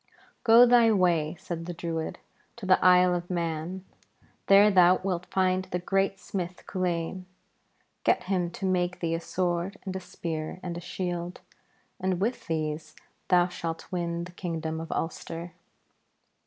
'Go thy way,' said the Druid, 'to the Isle of Mann. There thou wilt find the great smith Culain. Get him to make thee a sword and a spear and a shield, and with these thou shalt win the kingdom of Ulster.'